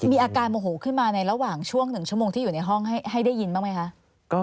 มีอาการโมโหขึ้นมาในระหว่างช่วง๑ชั่วโมงที่อยู่ในห้องให้ได้ยินบ้างไหมคะ